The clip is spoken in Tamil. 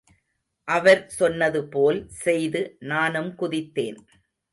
அவர் சொன்னதுபோல் செய்து நானும் குதித்தேன்.